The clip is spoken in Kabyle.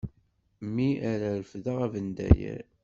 Mi ara refdeɣ abendayer.